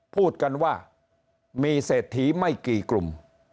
พูดกันว่ามีเศรษฐีไม่กี่กลุ่ม